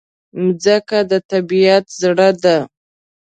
مځکه د طبیعت زړه ده.